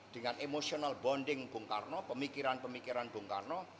dengan emotional bonding bung karno pemikiran pemikiran bung karno